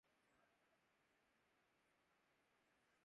کیا شمع کیا پتنگ ہر اک بے حضور تھا